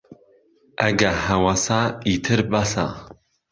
ئەگە هەوەسە، ئیتر بەسە